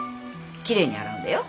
きれいに洗うんだよ。